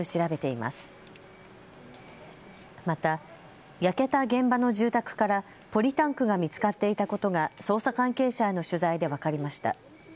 また焼けた現場の住宅からポリタンクが見つかっていたことが捜査関係者への取材で分かりました。